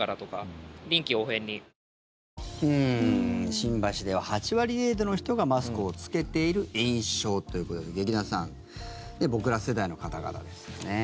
新橋では８割程度の人がマスクを着けている印象ということで、劇団さん僕ら世代の方々ですね。